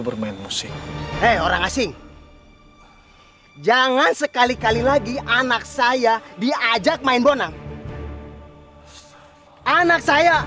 bermain musik hei orang asing jangan sekali kali lagi anak saya akan berhenti mencari anak saya